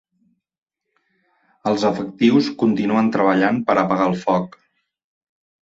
Els efectius continuen treballant per a apagar el foc.